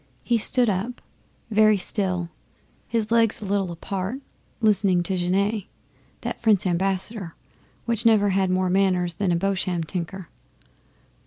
He stood up, very still, his legs a little apart, listening to Genet, that French Ambassador, which never had more manners than a Bosham tinker.